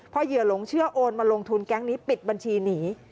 พอเหยื่อหลงเชื่อโอนมาลงทุนแก๊งนี้ปิดบัญชีหนี